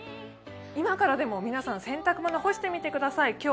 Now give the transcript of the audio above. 今からでも皆さん、洗濯物を干してみてください。